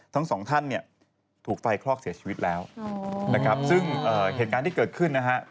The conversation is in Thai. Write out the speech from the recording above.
ทั้งสองท่านเนี่ยถูกไฟคลอกเสียชีวิตแล้วนะครับซึ่งเหตุการณ์ที่เกิดขึ้นนะฮะ